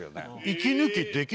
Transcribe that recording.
息抜き。